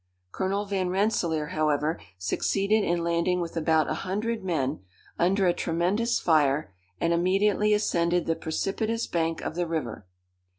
Colonel Van Rensselaer, however, succeeded in landing with about a hundred men, under a tremendous fire, and immediately ascended the precipitous bank of the river.